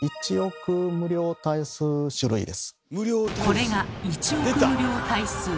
これが１億無量大数。